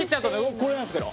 これなんですけど。